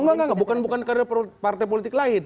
oh enggak enggak bukan bukan kader partai politik lain